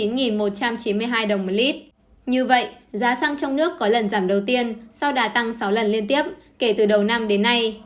như vậy giá xăng trong nước có lần giảm đầu tiên sau đà tăng sáu lần liên tiếp kể từ đầu năm đến nay